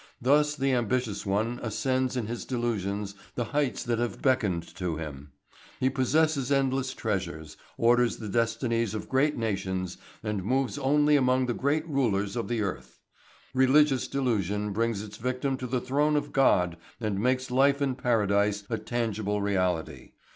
Thus the ambitious one ascends in his delusions the heights that have beckoned to him; he possesses endless treasures, orders the destinies of great nations, and moves only among the great rulers of the earth. Religious delusion brings its victim to the throne of God and makes life in Paradise a tangible reality.